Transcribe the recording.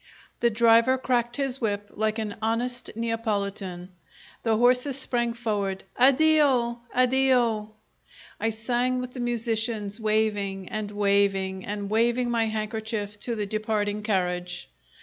The driver cracked his whip like an honest Neapolitan. The horses sprang forward. "Addio, addio!" I sang with the musicians, waving and waving and waving my handkerchief to the departing carriage.